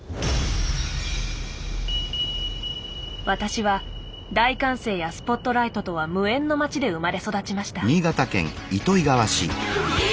私は大歓声やスポットライトとは無縁の町で生まれ育ちました。